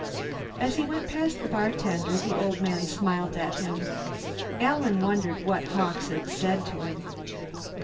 As he went past the bartender, the old man smiled at him. Alan wondered what Hawkes had said to him.